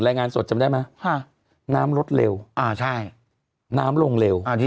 รายงานสดจำได้ไหมน้ำลดเร็วอ่าใช่น้ำลงเร็วอ่าที่